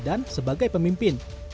dan sebagai pemimpin